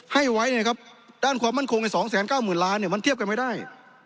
ให้ไว้เนี่ยครับด้านความมั่นคงใน๒๙๐๐๐๐ล้านเนี่ยมันเทียบกันไม่ได้